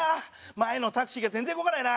前のタクシーが全然動かないな。